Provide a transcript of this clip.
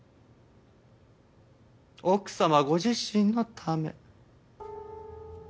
奥様ご自身のため。